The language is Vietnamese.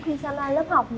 khi sang lại lớp học